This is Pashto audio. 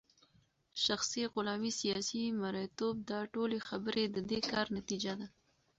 شخصي غلامې ، سياسي مريتوب داټولي خبري ددي كار نتيجه ده